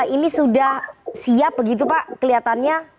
ini sudah siap begitu pak kelihatannya